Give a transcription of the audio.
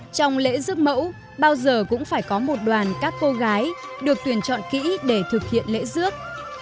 trong lễ rước mẫu bao giờ cũng phải có một đoàn các cô gái được tuyển chọn kỹ để thực hiện lễ rước